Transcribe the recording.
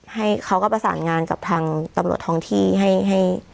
ให้เขาก็ประสานงานกับทางตำรวจทองที่ให้